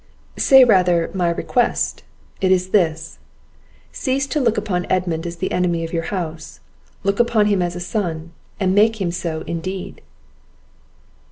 "Say rather my request; it is this: Cease to look upon Edmund as the enemy of your house; look upon him as a son, and make him so indeed."